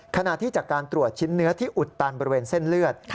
ขณะที่จากการตรวจชิ้นเนื้อที่อุดตันบริเวณเส้นเลือด